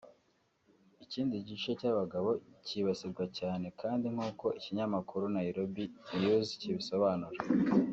Ikindi gice cy’abagabo kibasirwa cyane kandi nk’uko ikinyamakuru Nairobi News kibisobanura